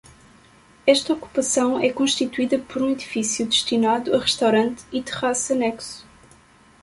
Esta ocupação é constituída por um edifício destinado a restaurante e terraço anexo.